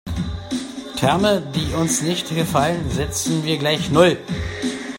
Terme, die uns nicht gefallen, setzen wir gleich null.